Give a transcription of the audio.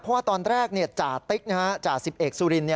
เพราะว่าตอนแรกจ่าติ๊กจ่าสิบเอกสุริน